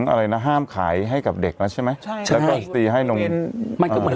อะไรนะห้ามขายให้กับเด็กแล้วใช่ไหมใช่ใช่แล้วก็สตีให้นมมันก็เหมือน